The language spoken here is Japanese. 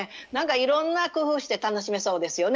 いろんな工夫して楽しめそうですよね。